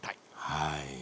はい。